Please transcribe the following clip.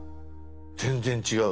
全然違う！